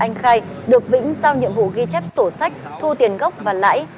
qua đấu tranh anh khách được vĩnh giao nhiệm vụ ghi chép sổ sách thu tiền gốc và lãi